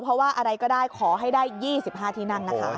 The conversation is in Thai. เพราะว่าอะไรก็ได้ขอให้ได้๒๕ที่นั่งนะคะ